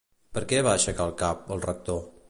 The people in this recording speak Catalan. Per què va aixecar el cap, el rector?